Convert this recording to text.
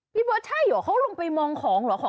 พี่เบอร์ใช่หรอเขาลงไปมองของเหรอ